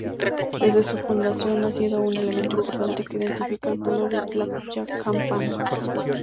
Desde su fundación ha sido un elemento importante que identifica al pueblo de Tlayacapan.